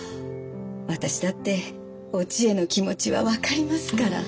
私だっておちえの気持ちは分かりますから。